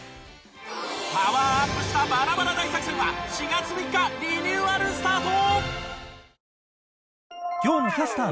パワーアップしたバラバラ大作戦は４月３日リニューアルスタート！